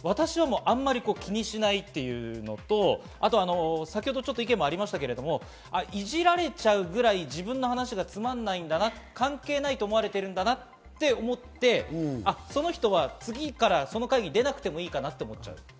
あまり気にしないというのと、先ほど意見もありましたけれども、いじられちゃうぐらい自分の話がつまんないんだな、関係ないと思われてるんだなって思って、その人は次からその会議に出なくてもいいかなと思っちゃう。